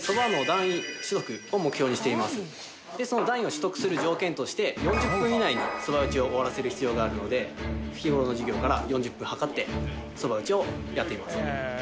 生徒たちは目標として４０分以内にそば打ちを終わらせる必要があるので日頃の授業から４０分計ってそば打ちをやっています。